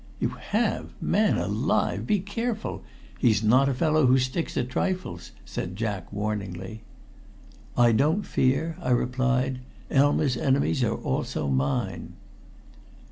"You have! Man alive! be careful. He's not a fellow who sticks at trifles," said Jack warningly. "I don't fear," I replied. "Elma's enemies are also mine."